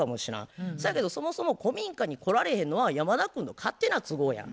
そやけどそもそも古民家に来られへんのは山田君の勝手な都合やん。